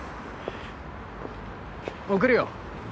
送るよ。